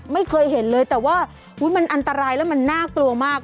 ไม่เคยเห็นเลยแต่ว่ามันอันตรายแล้วมันน่ากลัวมาก